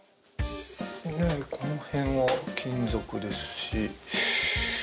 ねぇこの辺は金属ですし。